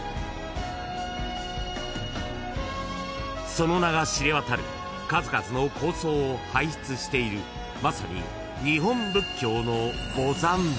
［その名が知れ渡る数々の高僧を輩出しているまさに］